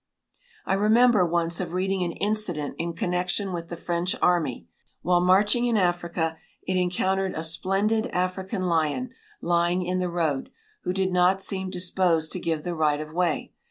I remember once of reading an incident in connection with the French army. While marching in Africa it encountered a splendid African lion, lying in the road, who did not seem disposed to give the right of way.